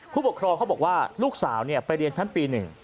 ผู้ปกครองเขาบอกว่าลูกสาวไปเรียนชั้นปี๑